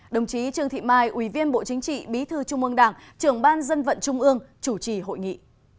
đồng chí trương thị mai ủy viên bộ chính trị bí thư trung ương đảng trưởng ban dân vận trung ương chủ trì hội nghị